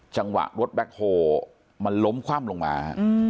จังหวะรถแบ็คโฮมันล้มคว่ำลงมา